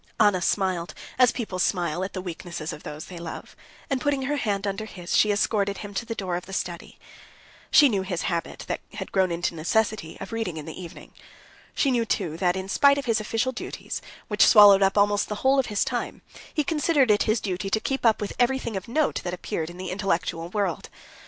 Anna smiled, as people smile at the weaknesses of those they love, and, putting her hand under his, she escorted him to the door of the study. She knew his habit, that had grown into a necessity, of reading in the evening. She knew, too, that in spite of his official duties, which swallowed up almost the whole of his time, he considered it his duty to keep up with everything of note that appeared in the intellectual world.